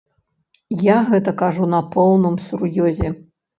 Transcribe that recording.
Я гэта кажу на поўным сур'ёзе.